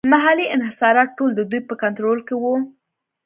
محلي انحصارات ټول د دوی په کنټرول کې وو.